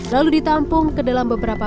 lalu ditampung ke dalam beberapa